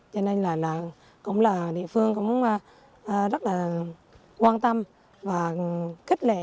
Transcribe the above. cho nên là cũng là địa phương cũng rất là quan tâm và khích lệ